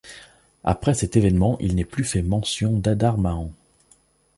Après cet évènement, il n'est plus fait mention d'Adarmahan.